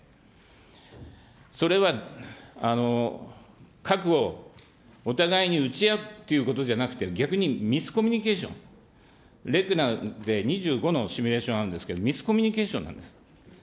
それは核をお互いに撃ち合うということじゃなくて、逆にミスコミュニケーション、レクナで２５のシミュレーションあるんですけど、ミスコミュニケーションなんです。